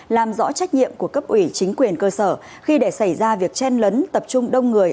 làm rõ trách nhiệm của cấp ủy chính quyền cơ sở khi để xảy ra việc chen lấn tập trung đông người